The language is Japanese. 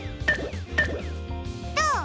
どう？